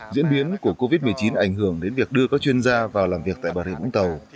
diễn biến của covid một mươi chín ảnh hưởng đến việc đưa các chuyên gia vào làm việc tại bà rịa vũng tàu